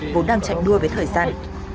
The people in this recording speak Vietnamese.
vốn đang chạy đua với thời gian